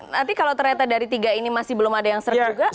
nanti kalau ternyata dari tiga ini masih belum ada yang serem juga